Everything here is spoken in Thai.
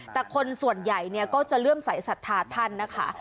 แต่คนส่วนใหญ่เนี่ยก็จะเริ่มสายศรัทธาท่านนะคะ